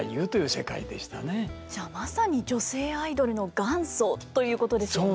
じゃあまさに女性アイドルの元祖ということですよね。